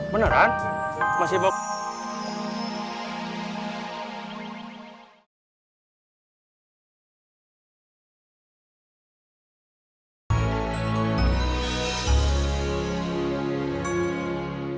beneran masih bau